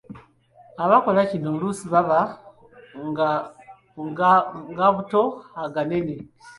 Abakola kino oluusi baba n’agabuto aganene.